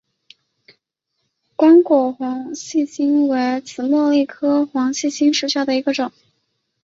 光果黄细心为紫茉莉科黄细心属下的一个种。